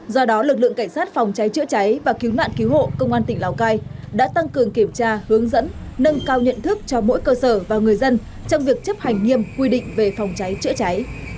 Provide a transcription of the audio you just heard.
do đó lực lượng cảnh sát phòng cháy chữa cháy và cứu nạn cứu hộ công an tỉnh lào cai đã tăng cường kiểm tra hướng dẫn nâng cao nhận thức cho mỗi cơ sở và người dân trong việc chấp hành nghiêm quy định về phòng cháy chữa cháy